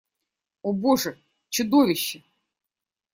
О боже, чудовище!